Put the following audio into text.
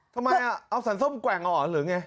ทำไมอ่ะเอาสันส้มแกว่งอ่ะหรือไง